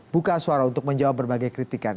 buka suara untuk menjawab berbagai kritikan